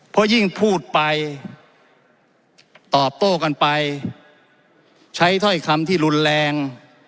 เพราะยิ่งพูดไปตอบโต้กันไปใช้ถ้อยคำที่รุนแรง